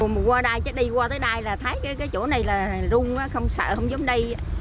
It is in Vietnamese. một qua đây chắc đi qua tới đây là thấy cái chỗ này là rung quá không sợ không giống đây